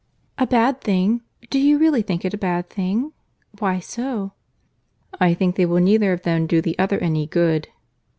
"A bad thing! Do you really think it a bad thing?—why so?" "I think they will neither of them do the other any good."